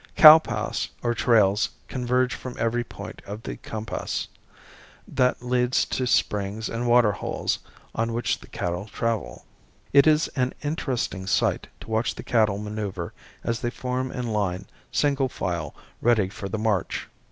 Cow paths or trails converge from every point of the compass, that lead to springs and water holes, on which the cattle travel. It is an interesting sight to watch the cattle maneuver as they form in line, single file, ready for the march.